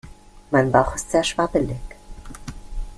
Mein Bauch ist sehr schwabbelig.